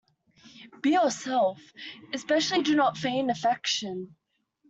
Be yourself. Especially do not feign affection.